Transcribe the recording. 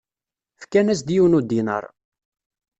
Fkan-as-d yiwen n udinaṛ.